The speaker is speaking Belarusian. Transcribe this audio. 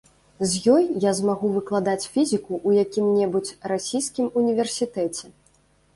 З ёй я змагу выкладаць фізіку ў якім-небудзь расійскім універсітэце.